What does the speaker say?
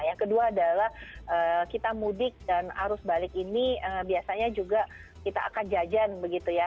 yang kedua adalah kita mudik dan arus balik ini biasanya juga kita akan jajan begitu ya